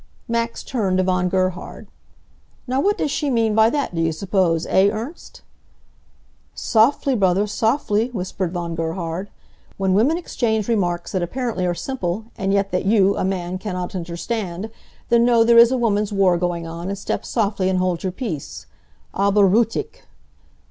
Max turned to Von Gerhard. "Now what does she mean by that do you suppose, eh Ernst?" "Softly, brother, softly!" whispered Von Gerhard. "When women exchange remarks that apparently are simple, and yet that you, a man, cannot understand, then know there is a woman's war going on, and step softly, and hold your peace. Aber ruhig!"